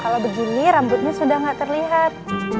kalau begini rambutnya sudah nggak terlihat